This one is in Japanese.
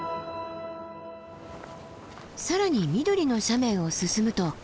更に緑の斜面を進むと。